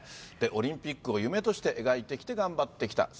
オリンピックを夢として描いてきて、頑張ってきた。